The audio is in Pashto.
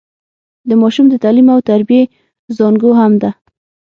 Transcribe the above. د ماشوم د تعليم او تربيې زانګو هم ده.